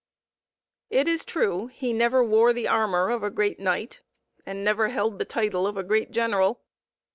It is true he never wore the armour of a great knight and never held the title of a great general.